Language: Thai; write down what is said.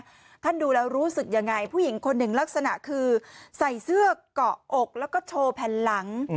ท่านดูแล้วรู้สึกยังไงผู้หญิงคนหนึ่งลักษณะคือใส่เสื้อเกาะอกแล้วก็โชว์แผ่นหลัง